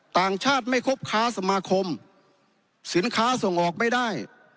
ต่างชาติไม่ครบค้าสมาคมสินค้าส่งออกไม่ได้